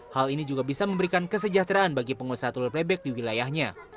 hal ini juga bisa memberikan kesejahteraan bagi pengusaha telur bebek di wilayahnya